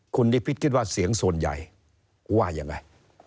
คุณนิพิษคิดว่าเสียงส่วนใหญ่ว่ายังไง